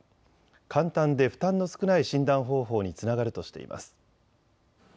簡単で負担の少ない診断方法につながるとしています。